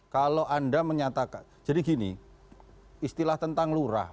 kalau anda menyatakan jadi gini istilah tentang lurah